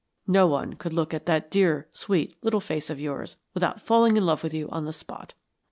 No one could look at that dear sweet little face of yours without falling in love with you on the spot."